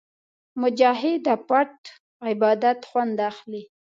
مجاهد د پټ عبادت خوند اخلي.